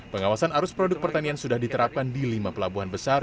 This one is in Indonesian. pengawasan arus produk pertanian sudah diterapkan di lima pelabuhan besar